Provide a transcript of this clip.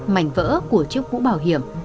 mảnh vỡ của chiếc mũ bảo hiểm